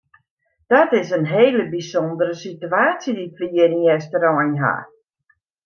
Dat is in hele bysûndere situaasje dy't we hjir yn Easterein ha.